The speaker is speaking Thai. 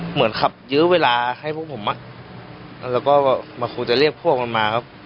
เหมือนขับยื้อเวลาให้พวกผมอ่ะแล้วก็มาคุยจะเรียกพวกมันมาครับ